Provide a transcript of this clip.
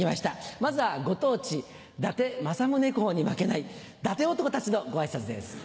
まずはご当地伊達政宗公に負けない伊達男たちのご挨拶です。